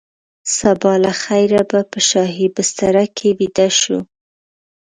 سبا له خیره به په شاهي بستره کې ویده شو.